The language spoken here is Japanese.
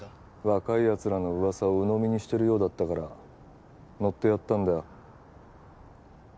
若いやつらの噂をうのみにしてるようだったから乗ってやったんだよ